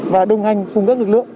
và đồng hành cùng các lực lượng